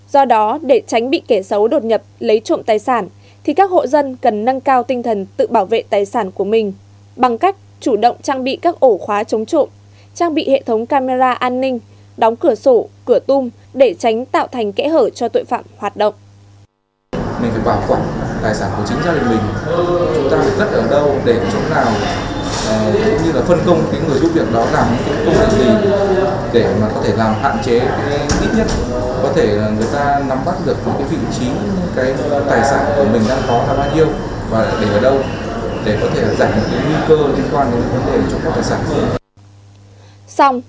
do đó để tránh bị kẻ xấu đột nhập lấy trộm tài sản thì các hộ dân cần nâng cao tinh thần tự bảo vệ tài sản của mình bằng cách chủ động trang bị các ổ khóa chống trộm trang bị hệ thống camera an ninh đóng cửa sổ cửa tung để tránh tạo thành kẽ hở cho tội phạm hoạt động